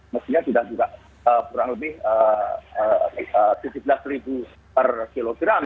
maksudnya sudah kurang lebih tujuh belas per kilogram